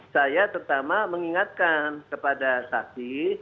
saya terutama mengingatkan kepada saksi